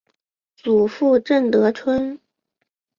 祖父郑得春。